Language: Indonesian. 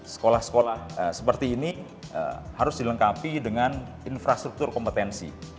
sekolah sekolah seperti ini harus dilengkapi dengan infrastruktur kompetensi